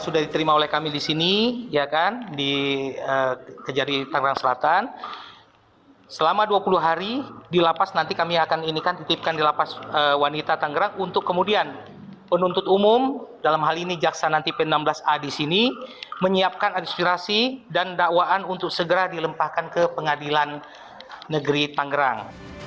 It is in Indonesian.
dalam hal ini jaksa nanti p enam belas a disini menyiapkan inspirasi dan dakwaan untuk segera dilempahkan ke pengadilan negeri tangerang